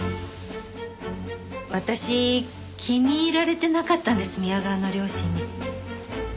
私気に入られてなかったんです宮川の両親に。